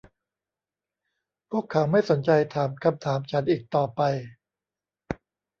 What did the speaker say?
พวกเขาไม่สนใจถามคำถามฉันอีกต่อไป